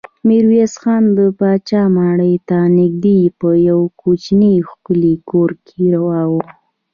ميرويس خان د پاچا ماڼۍ ته نږدې په يوه کوچيني ښکلي کور کې واړول.